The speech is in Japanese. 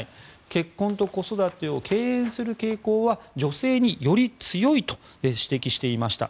結婚と子育てを敬遠する傾向は女性により強いと指摘していました。